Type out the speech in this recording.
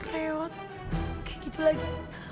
reot kayak gitu lagi